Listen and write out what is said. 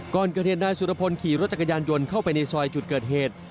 ก่อนเกิดเหตุนายสุรพลขี่รถจักรยานยนต์เข้าไปในซอยจุดเกิดเหตุ